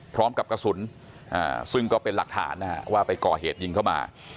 พร้อมกับกระสุนซึ่งก็เป็นหลักฐานนะฮะว่าไปก่อเหตุยิงเข้ามา